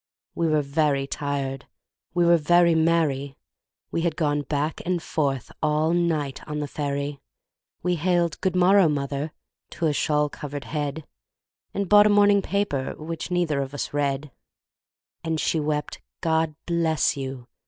We were very tired, we were very merry, We had gone back and forth all night on the ferry, We hailed "Good morrow, mother!" to a shawl covered head, And bought a morning paper, which neither of us read; And she wept, "God bless you!"